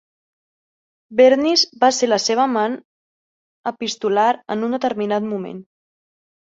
Bernice va ser la seva amant epistolar en un determinat moment.